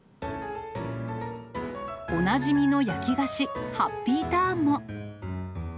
おなじみの焼き菓子、ハッピーターンも。